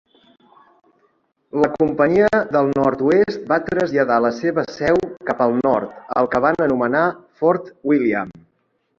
La companyia del nord-oest va traslladar la seva seu cap al nord, al que van anomenar Fort William.